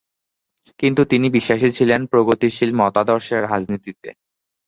কিন্তু তিনি বিশ্বাসী ছিলেন প্রগতিশীল মতাদর্শের রাজনীতিতে।